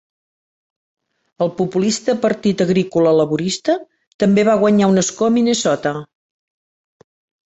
El populista Partit Agrícola-Laborista també va guanyar un escó a Minnesota.